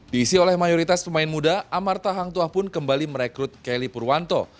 diisi oleh mayoritas pemain muda amarta hangtua pun kembali merekrut kelly purwanto